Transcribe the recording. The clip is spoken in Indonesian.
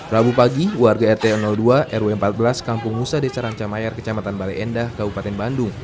rabu pagi warga rt dua rw empat belas kampung musa desa rancamayar kecamatan bale endah kabupaten bandung